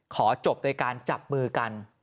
ขอจบโดยการจับมือกัน